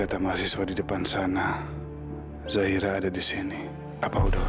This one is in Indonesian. nanti dia malah jadi curiga